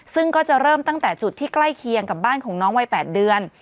ซึ่งก็จะเริ่มตั้งแต่จุดที่ใกล้เคียงกับบ้านของน้องวัย๘เดือน